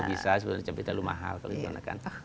teh sudah bisa tapi terlalu mahal kalau digunakan